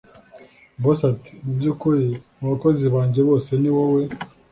boss ati”mubyukuri mubakozi bajye bose niwowe